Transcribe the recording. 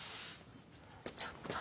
ちょっと。